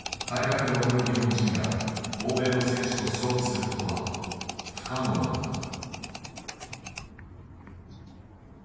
体格で劣る日本人が中長距離で欧米の選手と勝負することは不可能なのか。